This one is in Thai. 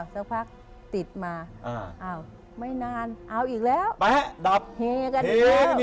เอาอีกแล้วและเราเข้าไปดับ